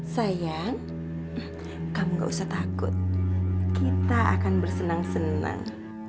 sayang kamu gak usah takut kita akan bersenang senang